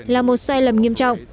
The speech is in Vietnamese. là một sai lầm nghiêm trọng